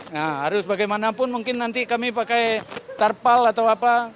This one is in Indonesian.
nah harus bagaimanapun mungkin nanti kami pakai tarpal atau apa